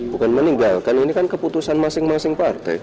bukan meninggalkan ini kan keputusan masing masing partai